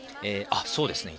そうですね。